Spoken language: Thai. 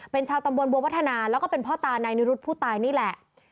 เป็นชาวตำบลบัววัฒนาแล้วก็เป็นพ่อตานายนิรุธผู้ตายนี่แหละ